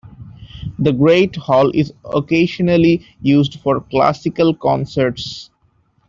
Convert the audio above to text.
The Great Hall is occasionally used for classical concerts.